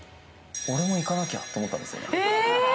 俺も行かなきゃって思ったんです。